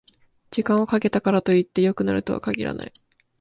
時間をかけたからといって良くなるとは限らない